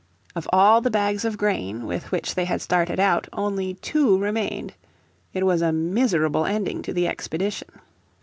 Of all the bags of grain with which they had started out only two remained. It was a miserable ending to the expedition.